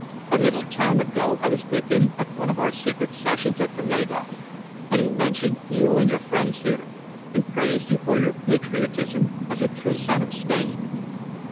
"A little time ago I was with him at one of our secret sessions at Toledo, and he mentioned you, and your friends here and praised you for your patriotism as a true son of Spain."